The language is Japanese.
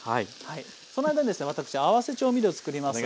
その間にですね私合わせ調味料を作ります。